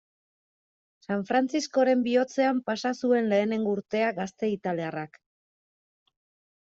San Frantziskoren bihotzean pasa zuen lehengo urtea gazte italiarrak.